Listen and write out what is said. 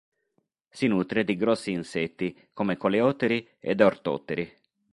Si nutre di grossi insetti come coleotteri ed ortotteri.